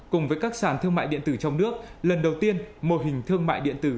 cùng với các sản thương mại điện tử trong nước lần đầu tiên mô hình thương mại điện tử